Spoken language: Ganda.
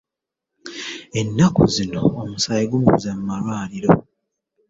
Ennaku zino omusaayi gubuze mu malwaliro.